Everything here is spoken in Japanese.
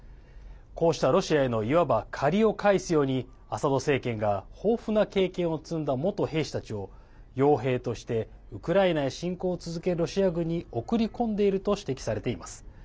こうしたロシアへのいわば借りを返すようにアサド政権が豊富な経験を積んだ元兵士たちをよう兵としてウクライナへ侵攻を続けるロシア軍に送り込んでいると指摘されています。